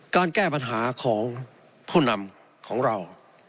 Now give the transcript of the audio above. แก้ปัญหาของผู้นำของเรา